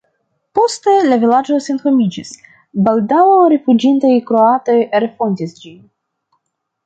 Poste la vilaĝo senhomiĝis, baldaŭe rifuĝintaj kroatoj refondis ĝin.